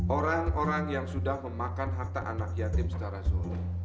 orang orang yang sudah memakan harta anak yatim secara suruh